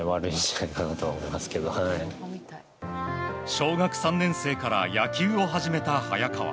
小学３年生から野球を始めた早川。